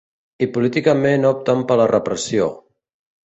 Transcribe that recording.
I políticament opten per la repressió.